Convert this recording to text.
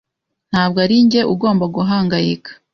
Ntabwo arinjye ugomba guhangayika.